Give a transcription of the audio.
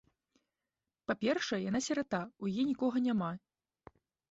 Па-першае, яна сірата, у яе нікога няма.